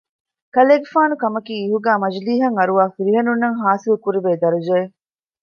ކަލޭގެފާނު ކަމަކީ އިހުގައި މަޖިލީހަށް އަރުވާ ފިރިހެނުންނަށް ޙާޞިލްކުރެވޭ ދަރަޖައެއް